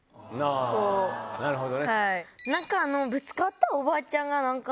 あなるほどね。